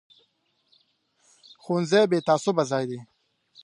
ښوونځی بې تعصبه ځای دی